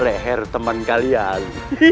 leher temen kalian